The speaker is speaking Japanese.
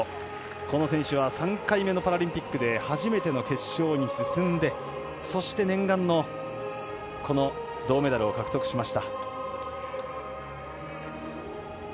この選手は３回目のパラリンピックで初めての決勝に進んでそして、念願の銅メダルを獲得しました。